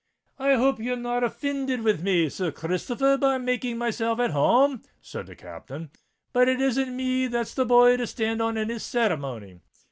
"I hope you're not offinded with me, Sir Christopher r, by making myself at home?" said the Captain: "but it isn't me that's the boy to stand on any ceremony."